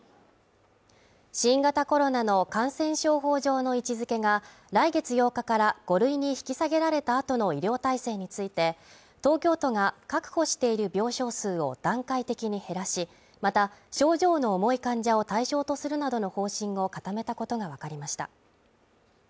新型コロナの感染症法上の位置付けが来月８日から５類に引き下げられた後の医療体制について東京都が確保している病床数を段階的に減らしまた症状の重い患者を対象とするなどの方針を固めたことがわかりました。